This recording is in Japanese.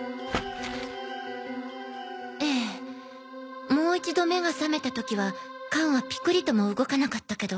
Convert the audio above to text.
ええもう一度目が覚めた時は缶はピクリとも動かなかったけど。